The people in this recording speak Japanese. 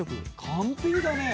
完璧だね。